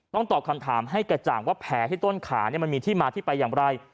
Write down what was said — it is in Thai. ตอบคำถามให้กระจ่างว่าแผลที่ต้นขามันมีที่มาที่ไปอย่างไร